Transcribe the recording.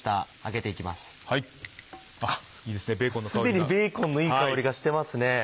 既にベーコンのいい香りがしてますね。